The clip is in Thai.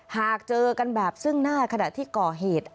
หากเจอกันแบบซึ่งหน้าขณะที่ก่อเหตุ